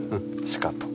しかと。